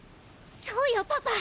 そうよパパ！